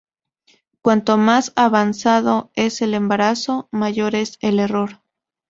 Cuanto más avanzado es el embarazo, mayor es el error.